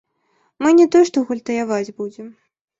Мы не то што гультаяваць будзем.